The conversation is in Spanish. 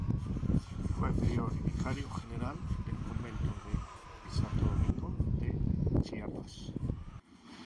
Fue prior y vicario general del convento de Santo Domingo de Chiapas.